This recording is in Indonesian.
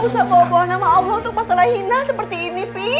usah bohong bohongan sama allah untuk pasalah hina seperti ini pi